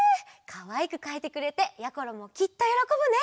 かわいくかいてくれてやころもきっとよろこぶね！